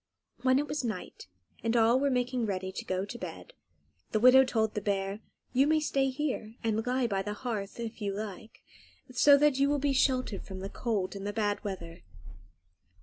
When it was night, and all were making ready to go to bed, the widow told the bear, "You may stay here and lie by the hearth, if you like, so that you will be sheltered from the cold and from the bad weather."